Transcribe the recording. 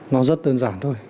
nó rất đơn giản thôi